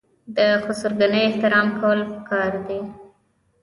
د خسرګنۍ احترام کول پکار دي.